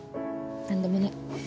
何でもない。